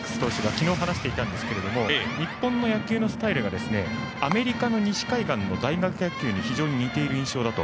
昨日、話していたんですけれども日本の野球のスタイルがアメリカの西海岸の大学野球に非常に似ている印象だと。